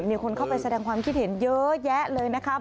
มีคนเข้าไปแสดงความคิดเห็นเยอะแยะเลยนะครับ